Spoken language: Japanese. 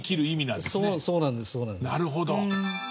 なるほど。